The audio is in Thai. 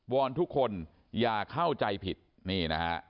อนทุกคนอย่าเข้าใจผิดนี่นะฮะ